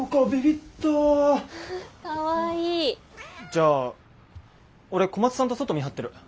じゃあ俺小松さんと外見張ってる。